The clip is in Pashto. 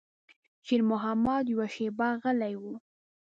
شېرمحمد يوه شېبه غلی و.